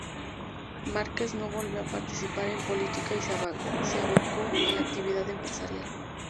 Márquez no volvió a participar en política y se abocó a la actividad empresarial.